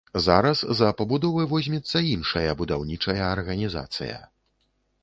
Зараз за пабудовы возьмецца іншая будаўнічая арганізацыя.